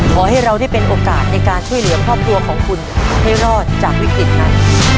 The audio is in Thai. ขอให้เราได้เป็นโอกาสในการช่วยเหลือครอบครัวของคุณให้รอดจากวิกฤตนั้น